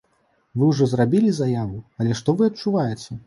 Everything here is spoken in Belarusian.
Вы ўжо зрабілі заяву, але што вы адчуваеце?